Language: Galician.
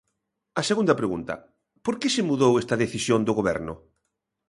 A segunda pregunta: ¿por que se mudou esta decisión do Goberno?